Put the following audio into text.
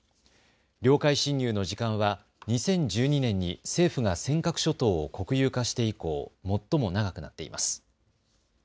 領海侵入の時間は２０１２年に政府が尖閣諸島を国有化して以降、最も長くなっています。